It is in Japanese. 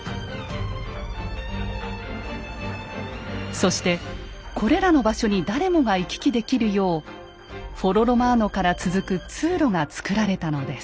そしてこれらの場所に誰もが行き来できるようフォロ・ロマーノから続く通路が造られたのです。